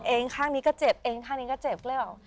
เองข้างนี้ก็เจ็บเองข้างนี้ก็เจ็บก็เลยแบบ